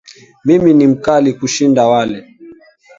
Mimi ni mkali kushinda wale